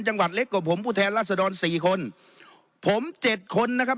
จังหวัดเล็กกว่าผมผู้แทนรัศดรสี่คนผมเจ็ดคนนะครับ